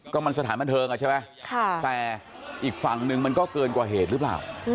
ก็มันสถานบันเทิงอ่ะใช่ไหมแต่อีกฝั่งนึงมันก็เกินกว่าเหตุหรือเปล่า